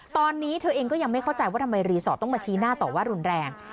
ตอนนี้เธอเองก็ยังไม่เข้าใจว่าทำไมรีสอร์ทต้องมาชี้หน้าต่อว่ารุนแรง